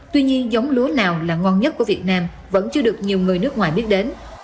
tuy nhiên giống lúa nào là ngon nhất của việt nam vẫn chưa được nhiều người nước ngoài biết đến